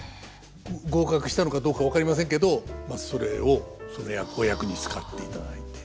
合格したのかどうか分かりませんけどそれをそのお役に使っていただいて。